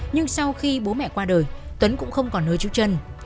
nhưng sau khi bố mẹ qua đời tuấn cũng không còn nơi trú chân